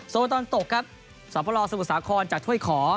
โซนตอนตกครับสวัสดีพระราชสมุทรสาขรจากถ้วยขอ